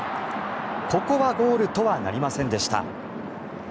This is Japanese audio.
ここはゴールとはなりませんでした。